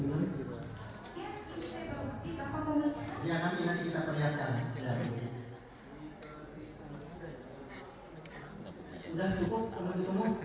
mana air tas atau apa yang harus diberikan oke